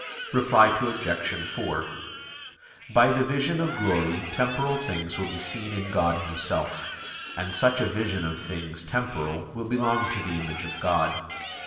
Reply Obj. 4: By the vision of glory temporal things will be seen in God Himself; and such a vision of things temporal will belong to the image of God.